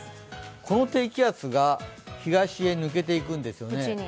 この低気圧が東へ抜けていくんですね。